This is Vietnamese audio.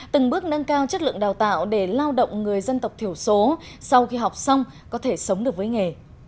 từng bước nâng cao chất lượng đào tạo để lao động người dân tộc thiểu số sau khi học xong có thể sống được với nghề